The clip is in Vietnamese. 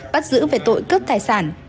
bắt giữ về tội cướp tài sản